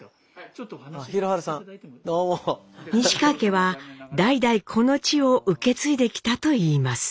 西川家は代々この地を受け継いできたといいます。